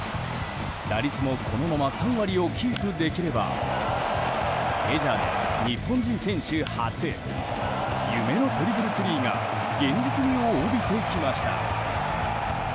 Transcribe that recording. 打率もこのまま３割をキープできればメジャーで日本人選手初夢のトリプルスリーが現実味を帯びてきました。